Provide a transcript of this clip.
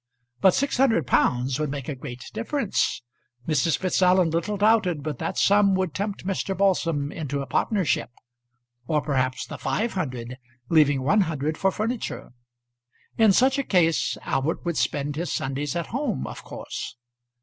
But six hundred pounds would make a great difference. Mrs. Fitzallen little doubted but that sum would tempt Mr. Balsam into a partnership, or perhaps the five hundred, leaving one hundred for furniture. In such a case Albert would spend his Sundays at home, of course.